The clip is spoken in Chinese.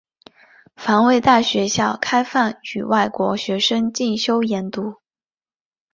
防卫大学校开放予外国学生进修研读。